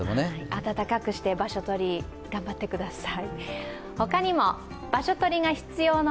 暖かくして場所取り頑張ってください。